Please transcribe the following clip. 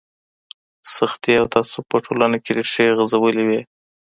سختي او تعصب په ټولنه کي ريښې غځولې وې.